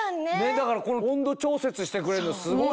だから温度調節してくれるのすごいよね。